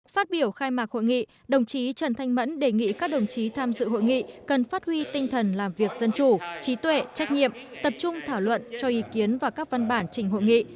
phát biểu khai mạc hội nghị đồng chí trần thanh mẫn đề nghị các đồng chí tham dự hội nghị cần phát huy tinh thần làm việc dân chủ trí tuệ trách nhiệm tập trung thảo luận cho ý kiến và các văn bản trình hội nghị